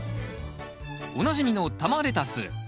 おなじみの玉レタス。